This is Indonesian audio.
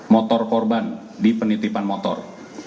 motor korban di penitipan motor